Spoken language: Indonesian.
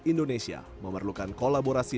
indonesia memerlukan kolaborasi